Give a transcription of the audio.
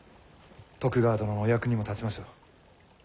徳川殿のお役にも立ちましょう。